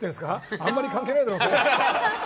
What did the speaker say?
あんまり関係ないかもだけど。